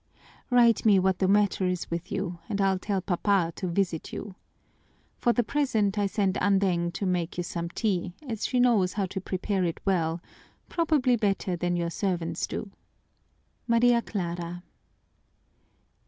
Write me what the matter is with you and I'll tell papa to visit you. For the present I send Andeng to make you some tea, as she knows how to prepare it well, probably better than your servants do. MARIA CLARA."